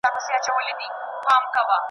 پر پخواني حالت نوره هم زیاته کړي .